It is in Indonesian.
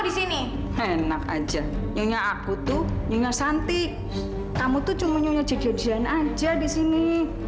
disini enak aja nyonya aku tuh nyonya santi kamu tuh cuman nyonya cek jodohan aja di sini